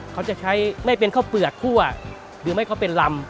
เขาจะใช้ไม่เป็นข้าวเปลือกคั่วหรือไม่เขาเป็นลำ